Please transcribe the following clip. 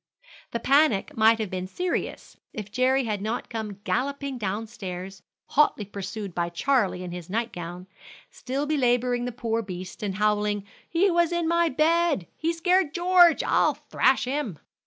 The panic might have been serious if Jerry had not come galloping down stairs, hotly pursued by Charlie in his night gown, still belaboring the poor beast, and howling, "He was in my bed! He scared George! I'll thrash him!"